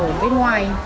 ở bên ngoài